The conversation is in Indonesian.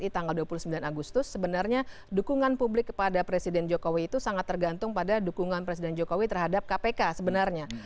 di tanggal dua puluh sembilan agustus sebenarnya dukungan publik kepada presiden jokowi itu sangat tergantung pada dukungan presiden jokowi terhadap kpk sebenarnya